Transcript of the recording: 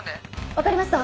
わかりました！